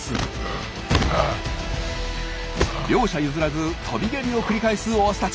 両者譲らず飛び蹴りを繰り返すオスたち。